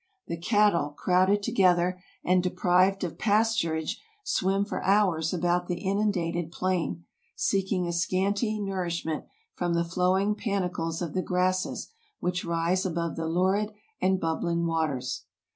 The cattle, crowded together, and deprived of pasturage, swim for hours about the inundated plain, seeking a scanty nour ishment from the flowing panicles of the grasses which rise above the lurid and bubbling waters.